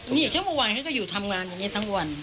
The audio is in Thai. เนี่ยถ้าเมื่อวานเขาก็อยู่ทำงานอย่างนี้ทั้งวัน